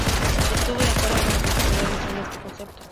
Estuvo de acuerdo con los investigadores sobre este concepto.